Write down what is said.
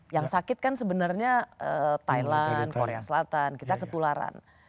yang sakit kan sebenarnya thailand korea selatan kita ketularan